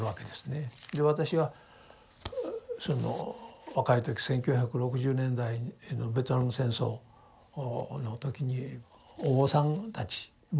で私がその若い時１９６０年代のベトナム戦争の時にお坊さんたちもですね